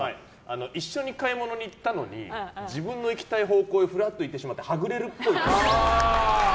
一緒に買い物に行ったのに自分の行きたい方向にふらっと行ってしまってはぐれるっぽい。